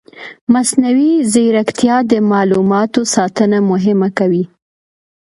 مصنوعي ځیرکتیا د معلوماتو ساتنه مهمه کوي.